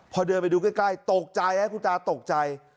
พอเดินไปดูใกล้ตกใจคุณตาตกใจ